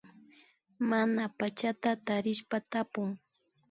Mana pachata tarishpa tapun